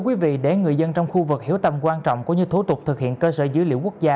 quý vị để người dân trong khu vực hiểu tầm quan trọng có như thố tục thực hiện cơ sở dữ liệu quốc gia